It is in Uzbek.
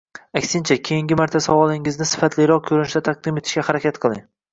Aksincha, keyingi marta savolingizni sifatliroq ko’rinishda taqdim etishga harakat qiling